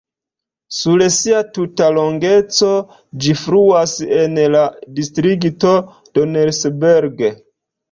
Sur sia tuta longeco ĝi fluas en la distrikto Donnersberg.